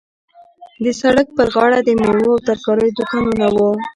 د سړک پر غاړه د میوو او ترکاریو دوکانونه وو.